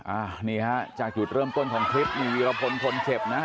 อ่านี่ฮะจากจุดเริ่มต้นของคลิปนี่วีรพลคนเจ็บนะฮะ